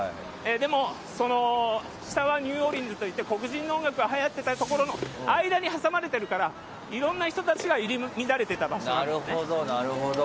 でも、下はニューオーリンズといって黒人の音楽がはやっていたその間に挟まれてるからいろんな人たちが入り乱れていた場所なんですね。